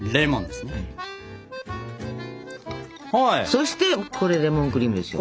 そしてこれでレモンクリームですよ。